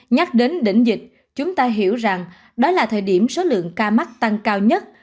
nhắc đến đỉnh dịch chúng ta hiểu rằng đó là thời điểm số lượng ca mắc tăng cao nhất